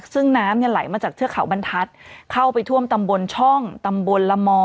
ซึ่งน้ำเนี่ยไหลมาจากเทือกเขาบรรทัศน์เข้าไปท่วมตำบลช่องตำบลละมอ